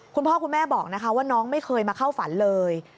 คุณพ่อคุณแม่บอกนะคะว่าน้องไม่เคยมาเข้าฝันเลย